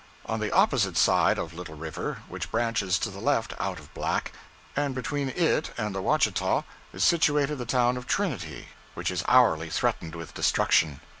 On the opposite side of Little River, which branches to the left out of Black, and between it and the Ouachita, is situated the town of Trinity, which is hourly threatened with destruction.